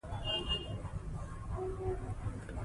دی حقایق نه پټوي.